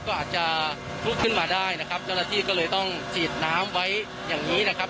ก็อาจจะลุกขึ้นมาได้นะครับเจ้าหน้าที่ก็เลยต้องฉีดน้ำไว้อย่างนี้นะครับ